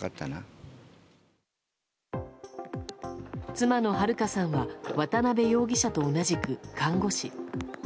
妻の春香さんは渡辺容疑者と同じく看護師。